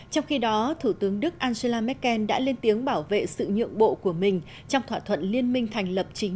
trong khi đó thủ tướng đức angela merkel đã lên tiếng bảo vệ sự nhượng bộ của mình trong thỏa thuận liên minh thành lập chính